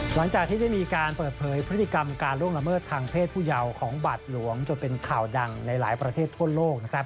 หลังจากที่ได้มีการเปิดเผยพฤติกรรมการล่วงละเมิดทางเพศผู้เยาว์ของบัตรหลวงจนเป็นข่าวดังในหลายประเทศทั่วโลกนะครับ